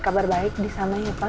kabar baik disamanya pak